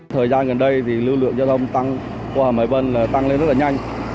thời gian gần đây thì lưu lượng giao thông qua hầm hải vân tăng lên rất là nhanh